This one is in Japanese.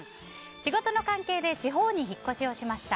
仕事の関係で地方に引っ越しをしました。